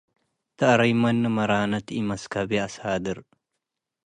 ተአረይመኒ መራነት - ኢመስከብዬ አሳዳር